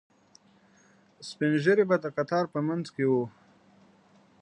سپینږیري به د کتار په منځ کې وو.